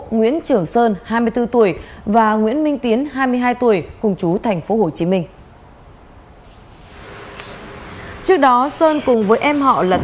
nguyễn trưởng sơn hai mươi bốn tuổi và nguyễn minh tiến hai mươi hai tuổi cùng chú tp hcm